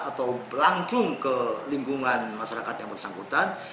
atau belangkung ke lingkungan masyarakat yang bersangkutan